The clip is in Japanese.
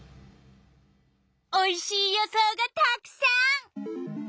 おいしい予想がたくさん！